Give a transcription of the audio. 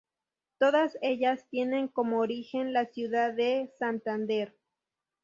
Todas ellas tienen como origen la ciudad de Santander.